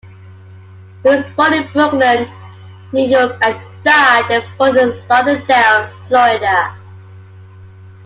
He was born in Brooklyn, New York and died in Fort Lauderdale, Florida.